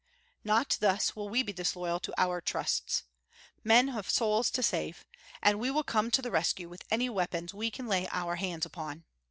Not thus will we be disloyal to our trusts. Men have souls to save, and we will come to the rescue with any weapons we can lay our hands upon.